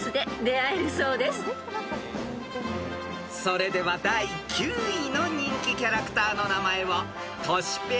［それでは第９位の人気キャラクターの名前をトシペアのフワちゃん